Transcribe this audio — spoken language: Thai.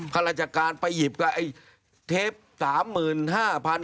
ข้าราชการไปหยิบกับไอ้เทป๓๕๐๐บาท